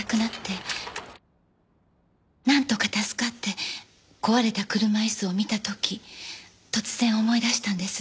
なんとか助かって壊れた車椅子を見た時突然思い出したんです。